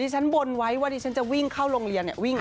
เออชั้นบ่วนไว้ว่าชั้นจะวิ่งเข้าโรงเรียน